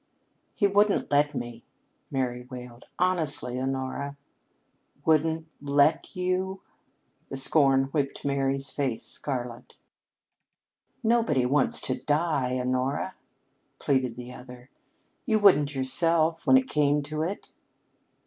"He wouldn't let me," Mary wailed. "Honestly, Honora " "Wouldn't let you!" The scorn whipped Mary's face scarlet. "Nobody wants to die, Honora!" pleaded the other. "You wouldn't yourself, when it came to it."